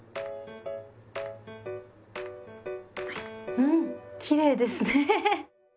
うんきれいですね。